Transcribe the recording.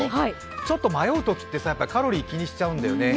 ちょっと迷うときってカロリー気にしちゃうんだよね。